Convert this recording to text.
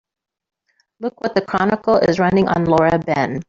Look what the Chronicle is running on Laura Ben.